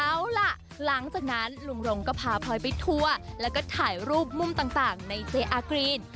เอาล่ะหลังจากนั้นลุงรงก็พาพลอยไปทัวร์แล้วก็ถ่ายรูปมุมต่างในเจอากรีน